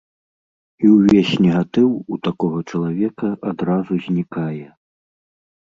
І ўвесь негатыў у такога чалавека адразу знікае.